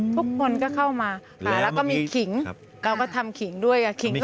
ทุกคนก็เข้ามาแล้วก็มีขิงเราก็ทำขิงด้วยขิงด้วย